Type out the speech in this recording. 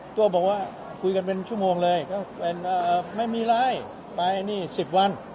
ตัวบอกว่าคุยกันเป็นชั่วโมงเลยก็เป็นไม่มีอะไรไปนี่๑๐วัน